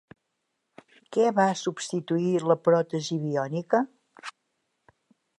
Què va substituir la pròtesi biònica?